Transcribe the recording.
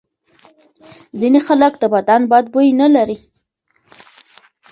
ځینې خلک د بدن بوی نه لري.